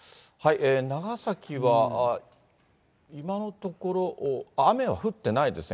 長崎は、今のところ雨は降ってないですね。